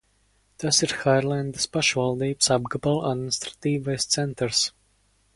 Tas ir Hailendas pašvaldības apgabala administratīvais centrs.